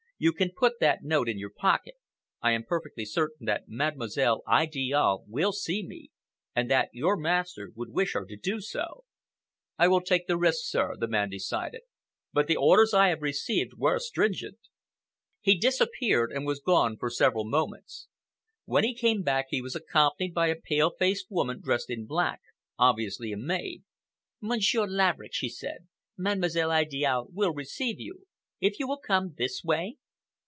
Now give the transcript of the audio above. "You can put that note in your pocket. I am perfectly certain that Mademoiselle Idiale will see me, and that your master would wish her to do so." "I will take the risk, sir," the man decided, "but the orders I have received were stringent." He disappeared and was gone for several moments. When he came back he was accompanied by a pale faced woman dressed in black, obviously a maid. "Monsieur Laverick," she said, "Mademoiselle Idiale will receive you. If you will come this way?"